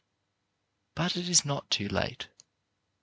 But it is not too late.